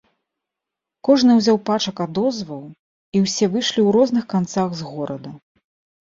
Кожны ўзяў пачак адозваў, і ўсе выйшлі ў розных канцах з горада.